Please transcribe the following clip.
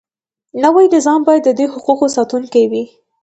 نوی نظام باید د دې حقوقو ساتونکی وي.